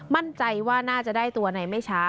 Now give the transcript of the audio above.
มั่นใจว่าน่าจะได้ตัวในไม่ช้า